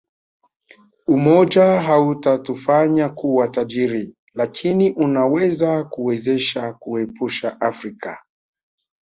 Umoja hautatufanya kuwa tajiri lakini unaweza kuwezesha kuiepusha Afrika